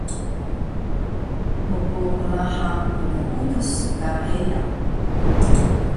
mpqlahang knuudus su ka heya